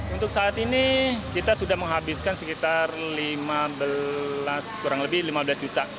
untuk saat ini kita sudah menghabiskan sekitar kurang lebih lima belas juta